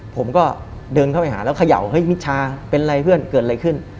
ผมก็เดินเข้าไปหาแล้วเขย่าเฮ้ยมิชาเป็นไรเพื่อนเกิดอะไรขึ้น